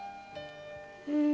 うん。